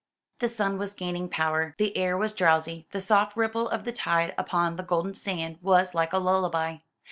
The sun was gaining power, the air was drowsy, the soft ripple of the tide upon the golden sand was like a lullaby.